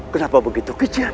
kenapa begitu kejam